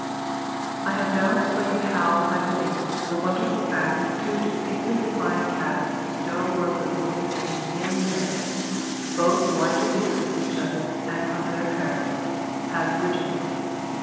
I have now explained how, I believe, the wonderful fact of two distinctly defined castes of sterile workers existing in the same nest, both widely different from each other and from their parents, has originated.